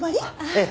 ええ。